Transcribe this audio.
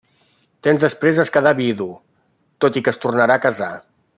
Temps després es quedà vidu, tot i que es tornarà a casar.